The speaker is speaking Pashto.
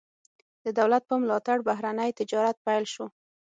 د دولت په ملاتړ بهرنی تجارت پیل شو.